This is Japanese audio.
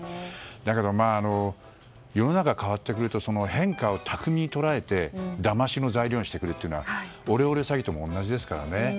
だけど、世の中が変わってくると変化を巧みに捉えてだましの材料にしてくるというのはオレオレ詐欺とも同じですからね。